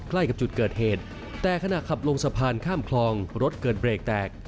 ใกล้กับจุดเกิดเหตุแต่ขณะขับลงสะพานข้ามคลองรถเกิดเบรกแตก